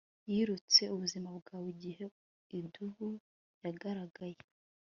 Yirutse ubuzima bwe igihe idubu yagaragaye